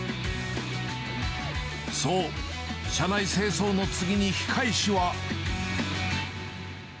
そう、車内清掃の次に控えしは。